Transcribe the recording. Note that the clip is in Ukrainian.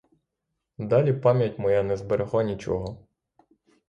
Далі пам'ять моя не зберегла нічого.